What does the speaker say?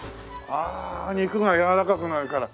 ああ肉が柔らかくなるから。